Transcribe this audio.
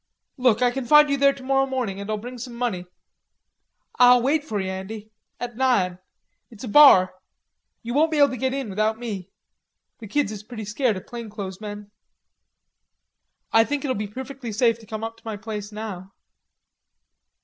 "Look, I can find you there tomorrow morning, and I'll bring some money." "Ah'll wait for ye, Andy, at nine. It's a bar. Ye won't be able to git in without me, the kids is pretty scared of plainclothes men." "I think it'll be perfectly safe to come up to my place now."